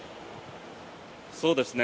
そうですね。